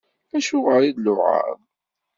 Acuɣeṛ i d-tluɛaḍ?